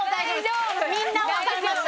みんな分かりました